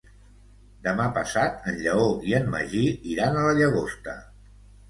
Demà passat en Lleó i en Magí iran a la Llagosta.